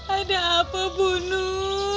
ada apa bu nur